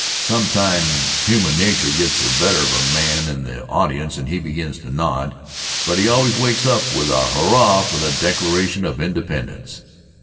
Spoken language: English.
Sometimes human nature gets the better of a man in the audience and he begins to nod, but he always wakes up with a hurrah for the Declaration of Independence.